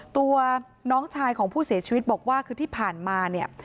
ตัวน้องชายของผู้เสียชีวิตบอกว่าคือที่ผ่านมาเนี่ย